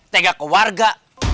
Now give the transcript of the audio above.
tega ke warga